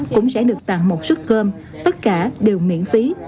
cũng sẽ được tặng một suất cơm tất cả đều miễn phí